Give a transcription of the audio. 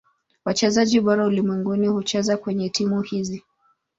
Wachezaji bora ulimwenguni hucheza kwenye timu hizi.